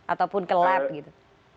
ataupun ke lab gitu